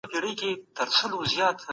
موږ په صنف کي د نوي پروګرامونو په اړه لولو.